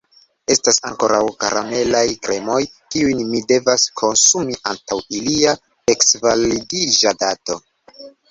Estas ankoraŭ karamelaj kremoj, kiujn mi devas konsumi antaŭ ilia eksvalidiĝa dato.